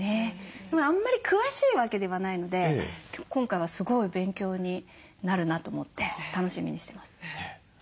でもあんまり詳しいわけではないので今回はすごい勉強になるなと思って楽しみにしてます。